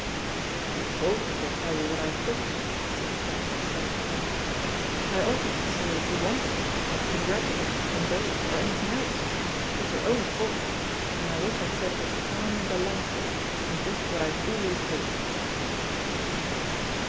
"You told me to tell you what I thought," said Jack in self defence. "I offered to say what you wanted, or to congratulate or condole or anything else; it's your own fault, and I wish I'd said it was charming and delightful, and just what I had always hoped."